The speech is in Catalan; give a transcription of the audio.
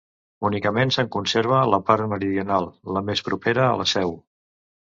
Únicament se'n conserva la part meridional, la més propera a la seu.